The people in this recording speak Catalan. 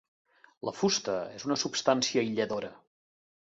La fusta és una substància aïlladora.